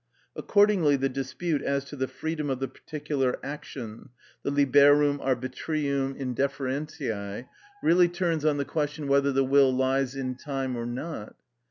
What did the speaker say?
Accordingly the dispute as to the freedom of the particular action, the liberum arbitrium indifferentiæ, really turns on the question whether the will lies in time or not.